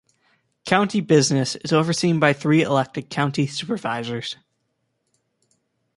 County business is overseen by three elected county supervisors.